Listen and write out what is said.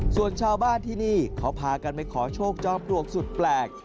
ส่วนชาวบ้านที่นี่เขาพากันไปขอโชคจอมปลวกสุดแปลก